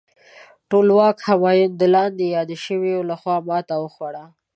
ټولواک همایون د لاندې یاد شویو لخوا ماته وخوړه.